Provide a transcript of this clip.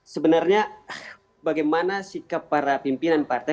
sebenarnya bagaimana sikap para pimpinan partai